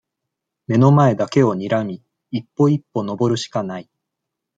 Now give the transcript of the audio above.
眼の前だけをにらみ、一歩一歩登るしかない。